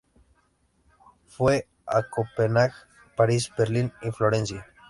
Fue a Copenague, París, Berlín y Florencia.